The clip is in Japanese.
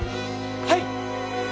はい！